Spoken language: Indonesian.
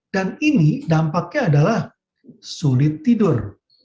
dan ini dampaknya adalah sulit tidur